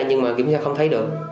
nhưng mà kiểm tra không thấy được